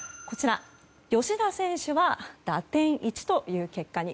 吉田選手は打点１という結果に。